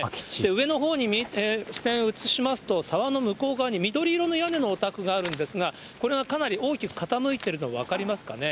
上のほうに視線移しますと、沢の向こう側に緑色の屋根のお宅があるんですが、これがかなり大きく傾いているの、分かりますかね？